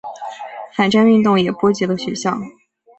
反战运动也波及了学校。